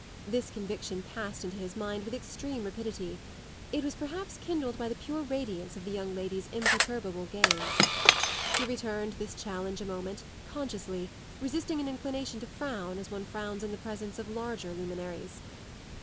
This conviction passed into his mind with extreme rapidity; it was perhaps kindled by the pure radiance of the young lady's imperturbable gaze. He returned this challenge a moment, consciously, resisting an inclination to frown as one frowns in the presence of larger luminaries.